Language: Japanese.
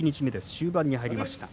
終盤に入りました。